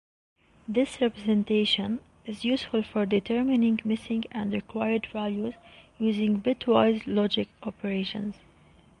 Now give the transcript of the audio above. This representation is useful for determining missing and required values using bitwise logic operations.